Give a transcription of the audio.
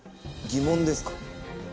疑問ですか？